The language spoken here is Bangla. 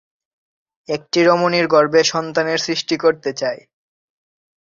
একটি রমণীর গর্ভে সন্তানের সৃষ্টি করতে চাই।